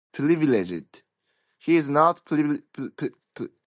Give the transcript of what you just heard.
He is not privileged to reap the last ears left standing.